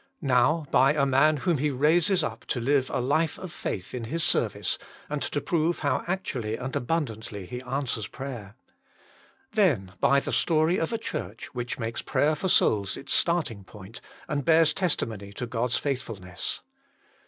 Now by a man whom He raises up to live a life of faith in His service, and to prove how actually and abundantly He answers prayer. Then by the story of a church which makes prayer for souls its starting point, and bears testimony to 178 THE MINISTRY OF INTERCESSION God s faithfulness.